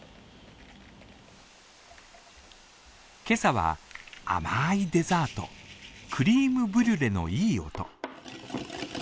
今朝は甘いデザート、クリームブリュレのいい音。